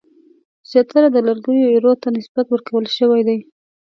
زیاتره د لرګیو ایرو ته نسبت ورکول شوی دی.